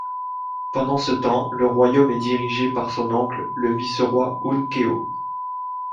Pendant ce temps le royaume est dirigé par son oncle le vice-roi Un-Kéo.